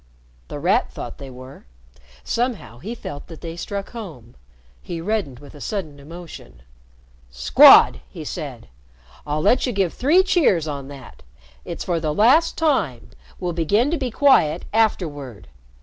The Rat thought they were. Somehow he felt that they struck home. He reddened with a sudden emotion. "Squad!" he said. "I'll let you give three cheers on that. It's for the last time. We'll begin to be quiet afterward."